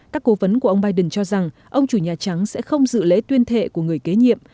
các cố vấn của ông biden cho rằng ông chủ nhà trắng sẽ không dự lễ tuyên thệ của người kế nhiệm